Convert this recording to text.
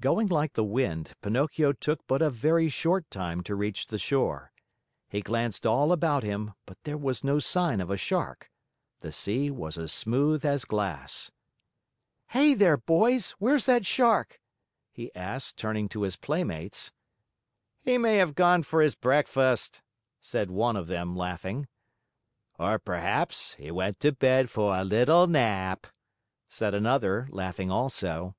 Going like the wind, Pinocchio took but a very short time to reach the shore. He glanced all about him, but there was no sign of a Shark. The sea was as smooth as glass. "Hey there, boys! Where's that Shark?" he asked, turning to his playmates. "He may have gone for his breakfast," said one of them, laughing. "Or, perhaps, he went to bed for a little nap," said another, laughing also.